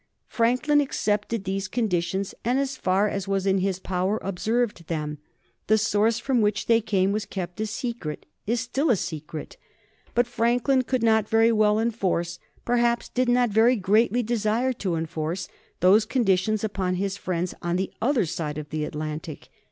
Franklin accepted these conditions, and as far as was in his power observed them. The source from which they came was kept a secret, is still a secret. But Franklin could not very well enforce, perhaps did not very greatly desire to enforce, those conditions upon his friends on the other side of the Atlantic.